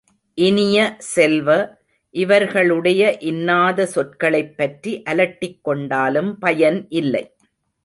இனிய செல்வ, இவர்களுடைய இன்னாத சொற்களைப்பற்றி அலட்டிக் கொண்டாலும் பயன் இல்லை.